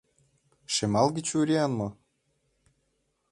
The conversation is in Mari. — Шемалге чуриян мо?